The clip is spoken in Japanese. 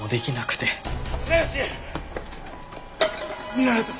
見られた！